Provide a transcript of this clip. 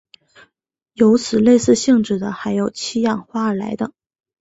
有此类似性质的还有七氧化二铼等。